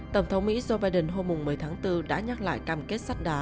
tổng thống mỹ joe biden hôm một mươi tháng bốn đã nhắc lại cam kết sắt đá